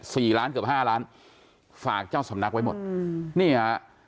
สี่ล้านเกือบห้าล้านฝากเจ้าสำนักไว้หมดอืมนี่ฮะ